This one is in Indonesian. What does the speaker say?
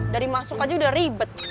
dari masuk aja udah ribet